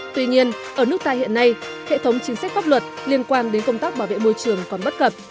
tuy nhiên ở nước ta hiện nay hệ thống chính sách pháp luật liên quan đến công tác bảo vệ môi trường còn bất cập